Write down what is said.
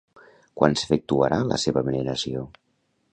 Quan s'efectuarà la seva veneració?